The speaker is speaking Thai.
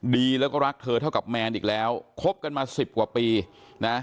ดีแล้วก็รักเธอเท่ากับแมนอีกแล้วคบกันมาสิบกว่าปีนะ